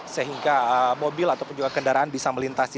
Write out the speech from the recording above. sehingga mobil ataupun juga kendaraan bisa melintasi